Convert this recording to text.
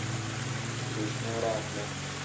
بریښنا راغله